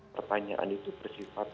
pertanyaan itu bersifat